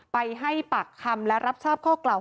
ไปให้ปากคำและรับทราบข้อกล่าว